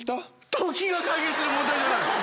時が解決する問題じゃない。